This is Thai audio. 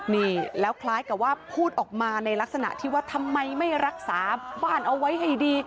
นี่แล้วคล้ายกับว่าพูดออกมาในลักษณะที่ว่าทำไมไม่รักษาบ้านเอาไว้ให้ดี